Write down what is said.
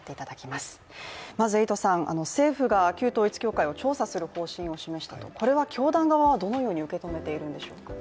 まずエイトさん、政府が旧統一教会を調査する方針を示したと、これは教団側はどのように受け止めているんでしょうか。